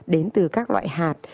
đến từ các loại hạt